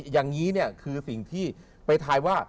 อย่างนี้คือสิ่งที่ไปทายว่า